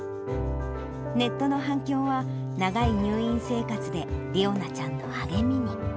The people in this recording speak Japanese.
ネットの反響は長い入院生活で理央奈ちゃんの励みに。